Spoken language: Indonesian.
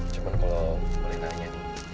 cuman kalau boleh tanya